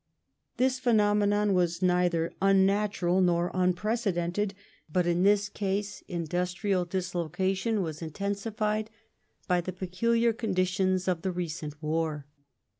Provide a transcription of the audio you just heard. This phenomenon was neither unnatural nor unprecedented, but in this case industrial dislocation was intensified by the peculiar conditions of the recent war.